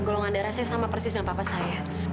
golongan darah saya sama persis dengan papa saya